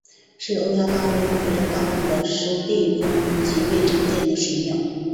是欧亚大陆与非洲大陆的湿地中极为常见的水鸟。